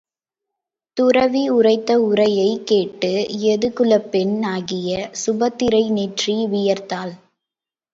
துறவி உரைத்த உரையைக் கேட்டு யதுகுலப்பெண் ஆகிய சுபத்திரை நெற்றி வியர்த்தாள்.